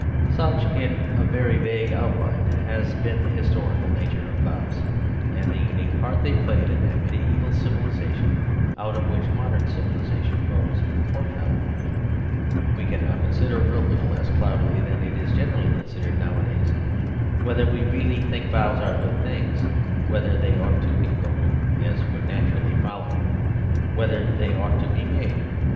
Such, in very vague outline, has been the historical nature of vows ; and the unique part The Story of the Vow 95 they played in that mediaeval civilisation out of which modern civilisation rose — or fell. We can now consider, a little less cloudily than it is generally considered nowadays, whether we really think vows are good things ; whether they ought to be broken; and (as would nat urally follow) whether they ought to be made.